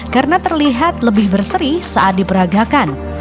karena terlihat lebih berseri saat diperagakan